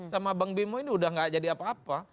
sama bang bimo ini udah gak jadi apa apa